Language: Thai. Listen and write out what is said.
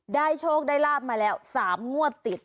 โชคได้ลาบมาแล้ว๓งวดติด